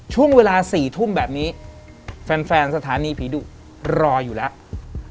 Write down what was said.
ช่วงเวลา๔ทุ่มแบบนี้แฟนสถานีผีดุรออยู่แล้ว